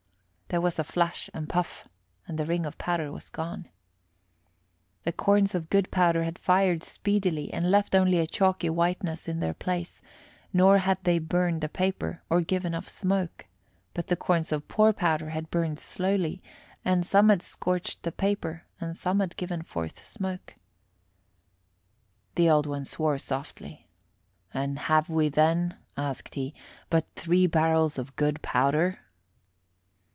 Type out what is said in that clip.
There was a flash and puff, and the ring of powder was gone. The corns of good powder had fired speedily and left only a chalky whiteness in their place, nor had they burned the paper or given off smoke; but the corns of poor powder had burned slowly, and some had scorched the paper and some had given forth smoke. The Old One softly swore. "And have we, then," asked he, "but three barrels of good powder?"